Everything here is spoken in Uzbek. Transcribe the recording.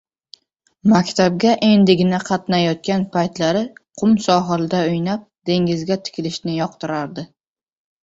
Maktabga endigina qatnayotgan paytlari qum sohilda o`ynab, dengizga tikilishni yoqtirardi